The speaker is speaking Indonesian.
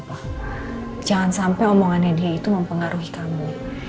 oh jangan sampai omongannya dia itu mempengaruhi kamu